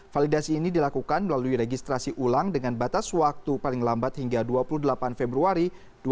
validasi ini dilakukan melalui registrasi ulang dengan batas waktu paling lambat hingga dua puluh delapan februari dua ribu dua puluh